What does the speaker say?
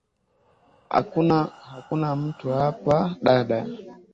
Hakuna mtu hapa dada.